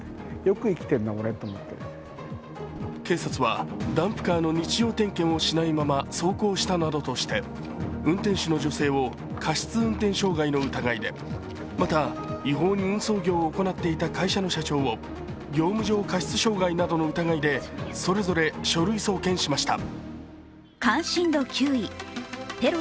警察は、ダンプカーの日常点検をしないまま走行したなどとして運転手の女性を過失運転傷害の疑いでまた、違法に運送業を行っていた会社の社長を業務上過失傷害などの疑いでそれぞれ書類送検しました。